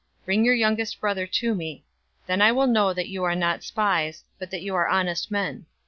042:034 Bring your youngest brother to me. Then I will know that you are not spies, but that you are honest men.